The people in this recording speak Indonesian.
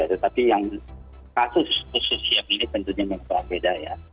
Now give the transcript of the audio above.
tetapi yang kasus khusus siap ini tentunya mempunyai perbedaan ya